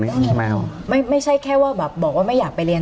ทำไมเอาไม่ไม่ใช่แค่ว่าแบบบอกว่าไม่อยากไปเรียน